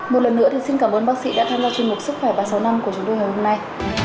một lần nữa thì xin cảm ơn bác sĩ đã tham gia chương trình sức khỏe ba trăm sáu mươi năm của chúng tôi hôm nay